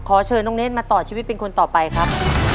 เชิญน้องเนธมาต่อชีวิตเป็นคนต่อไปครับ